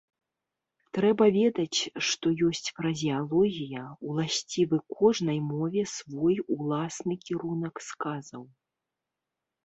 Трэба ведаць, што ёсць фразеалогія, уласцівы кожнай мове свой уласны кірунак сказаў.